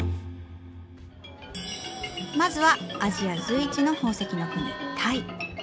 まずはアジア随一の宝石の国タイ。